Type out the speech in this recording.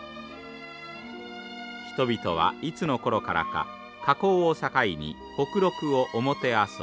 人々はいつの頃からか火口を境に北麓を表阿蘇